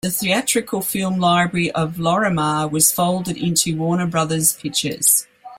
The theatrical film library of Lorimar was folded into Warner Brothers Pictures.